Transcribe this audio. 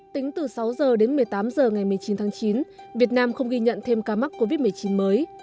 tính từ sáu h đến một mươi tám h ngày một mươi chín tháng chín việt nam không ghi nhận thêm ca mắc covid một mươi chín mới